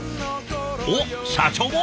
おっ社長も？